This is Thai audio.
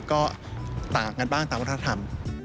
ก็ต่างกันบ้างตามวัฒนธรรม